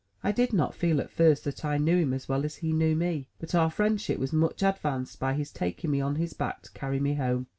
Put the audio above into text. I did not feel, at first, that I knew him as well as he knew me. But our friendship was much advanced by his taking me on his back to carry me home.